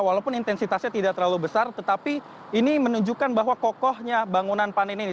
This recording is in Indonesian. walaupun intensitasnya tidak terlalu besar tetapi ini menunjukkan bahwa kokohnya bangunan pan ini